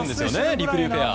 りくりゅうペア。